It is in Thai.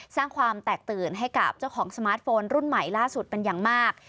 สร้างความแตกตื่นให้กับเจ้าของสมาร์ทโฟนรุ่นใหม่ล่าสุดเป็นอย่างมาก